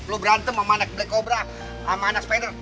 lo berantem sama anak black cobra sama anak spider